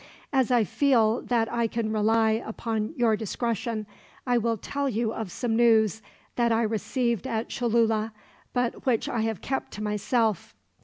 "As I feel that I can rely upon your discretion, I will tell you of some news that I received at Cholula, but which I have kept to myself.